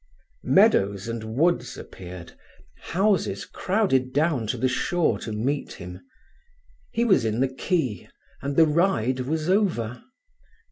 Meadows and woods appeared, houses crowded down to the shore to meet him; he was in the quay, and the ride was over.